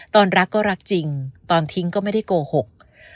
ตอนรักก็รักจริงตอนทิ้งก็ไม่ได้โกหก